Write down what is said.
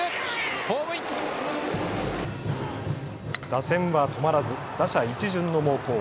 打線は止まらず打者一巡の猛攻。